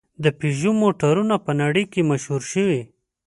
د پيژو موټرونه په نړۍ کې مشهور شوي.